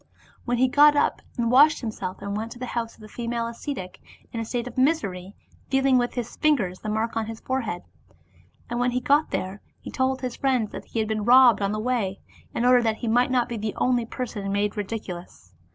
Then he got up and washed himself and went to the house of the female ascetic, in a state of misery, feeling with his fingers the mark on his forehead. And when he got there, he told his friends that he had been robbed on the way, in order that he might not be the only person made ridiculous.